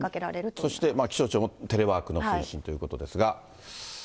そして気象庁も、テレワークの推進ということですが。